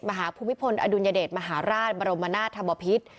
ภูมิพลอดุลยเดชมหาราชบรมนาธบพิษ